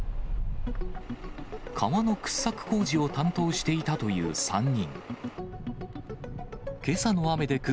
川の掘削工事を担当していたという３人。